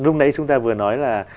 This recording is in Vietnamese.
lúc nãy chúng ta vừa nói là